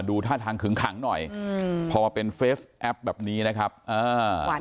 ดูท่าทางขึงขังหน่อยอืมพอมาเป็นเฟสแอปแบบนี้นะครับอ่า